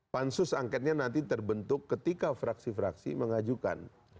pansus angketnya nanti terbentuk ketika fraksi fraksi mengajukan